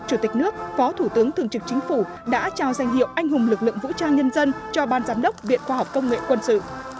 chính phủ đã trao danh hiệu anh hùng lực lượng vũ trang nhân dân cho ban giám đốc viện khoa học công nghệ quân sự